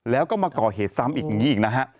แล้วก็มาก่อเหตุซ้ำอีกอย่างนี้อีกนะฮะ